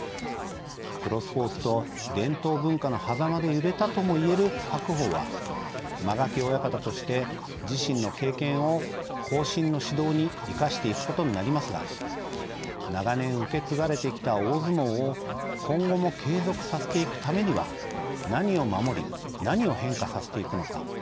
プロスポーツと伝統文化のはざまで揺れたとも言える白鵬は間垣親方として自身の経験を後進の指導に生かしていくことになりますが長年受け継がれてきた大相撲を今後も継続させていくためには何を守り何を変化させていくのか。